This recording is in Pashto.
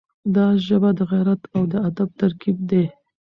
دا ژبه د غیرت او ادب ترکیب دی.